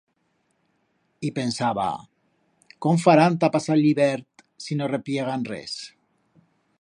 Y pensaba: Cóm farán ta pasar l'hibert si no repllegan res?